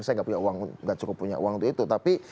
saya gak cukup punya uang untuk itu tapi